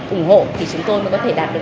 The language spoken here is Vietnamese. ủng hộ thì chúng tôi mới có thể đạt được